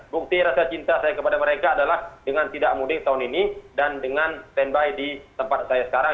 bukti rasa cinta saya kepada mereka adalah dengan tidak mudik tahun ini dan dengan standby di tempat saya sekarang